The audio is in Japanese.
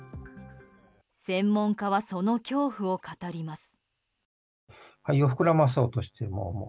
専門家は、その恐怖を語ります。